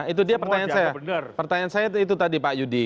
itu dia pertanyaan saya pertanyaan saya itu tadi pak yudi